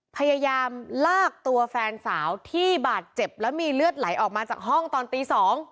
พยายามลากตัวแฟนสาวที่บาดเจ็บแล้วมีเลือดไหลออกมาจากห้องตอนตี๒